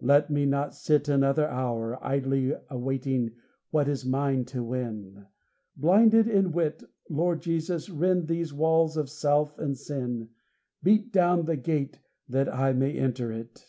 Let me not sit Another hour, Idly awaiting what is mine to win, Blinded in wit, Lord Jesus, rend these walls of self and sin; Beat down the gate, that I may enter it.